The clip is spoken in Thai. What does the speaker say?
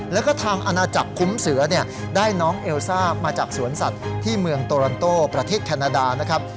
แล้วก็ทางอาณาจักรคุ้มเสือได้น้องเอลซ่ามาจากสวนสัตว์ที่เมืองโตรันโตประเทศแคนาดานะครับ